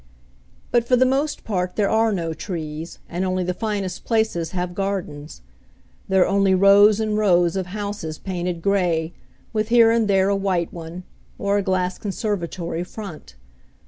But for the most part there are no trees, and only the finest places have gardens. There are only rows and rows of houses painted gray, with here and there a white one, or a glass conservatory front.